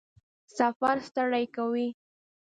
سفر ستړی کوي؟